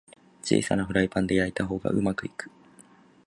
小さなフライパンで焼いた方がうまくいく